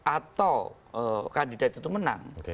atau kandidat itu menang